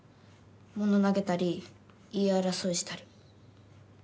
物投げたり言い争いしたり。